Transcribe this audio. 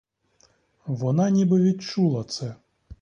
Вона ніби відчула це.